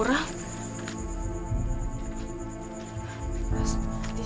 jangan lupa bu